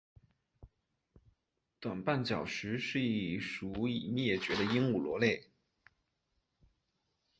短棒角石是一属已灭绝的鹦鹉螺类。